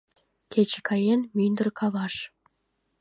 Кече каен мӱндыр каваш —